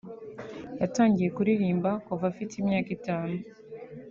yatangiye kuririmba kuva afite imyaka itanu